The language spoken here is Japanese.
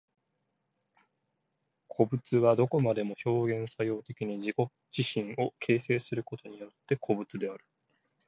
個物はどこまでも表現作用的に自己自身を形成することによって個物である。